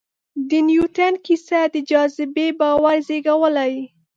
د نیوټن کیسه د جاذبې باور زېږولی.